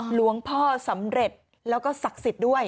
หลวงพ่อสำเร็จแล้วก็ศักดิ์สิทธิ์ด้วย